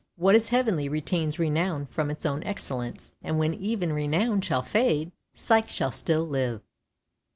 What is heavenly retains renown from its own excellence; and when even renown shall fade, Psyche shall still live.